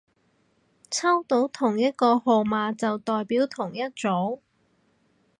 抽到同一個號碼就代表同一組